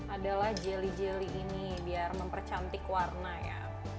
adalah jelly jelly ini biar mempercantik warna ya